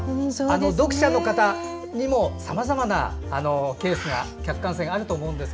読者の方にもさまざまなケース客観性があると思います。